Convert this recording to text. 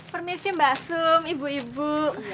permisi mbak sum ibu ibu